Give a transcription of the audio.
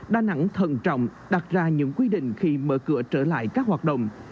đà nẵng thận trọng đặt ra những quy định khi mở cửa trở lại các hoạt động